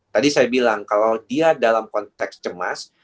tadi saya bilang kalau dia dalam konteks cemas